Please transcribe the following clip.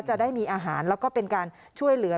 จะได้มีอาหารแล้วก็เป็นการช่วยเหลือ